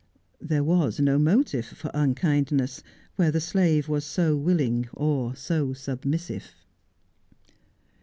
There was no motive for unkindness where the slave was so willing or so submissive.